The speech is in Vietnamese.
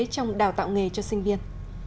trong đào tạo nghề cho sinh viên